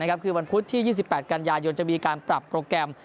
คือวันพุธที่๒๘กันยายนจะมีการปรับโปรแกรม